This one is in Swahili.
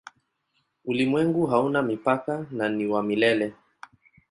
Ulimwengu hauna mipaka na ni wa milele.